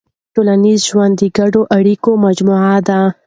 ټولنیز ژوند د ګډو اړیکو مجموعه ده.